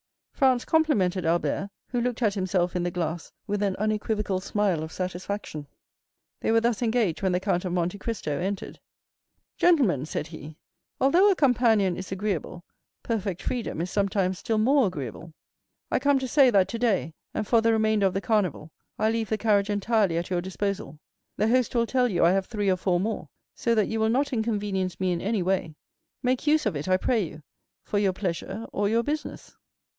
Franz complimented Albert, who looked at himself in the glass with an unequivocal smile of satisfaction. They were thus engaged when the Count of Monte Cristo entered. 20185m "Gentlemen," said he, "although a companion is agreeable, perfect freedom is sometimes still more agreeable. I come to say that today, and for the remainder of the Carnival, I leave the carriage entirely at your disposal. The host will tell you I have three or four more, so that you will not inconvenience me in any way. Make use of it, I pray you, for your pleasure or your business."